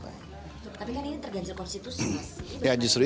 tapi kan ini tergantung konstitusi mas